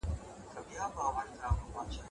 که په کور کي کتابونه وي نو د ماشوم ذهن روښانه کيږي.